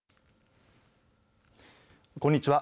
こんにちは。